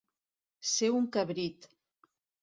Ser un cabrit.